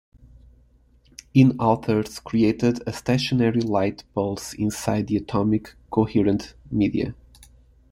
In authors created a stationary light pulse inside the atomic coherent media.